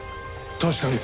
確かに。